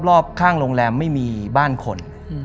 รอบข้างโรงแรมไม่มีบ้านคน